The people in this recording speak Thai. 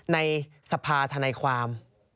ในสภาษณ์ธนาความ